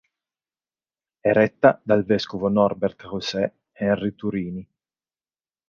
È retta dal vescovo Norbert José Henri Turini.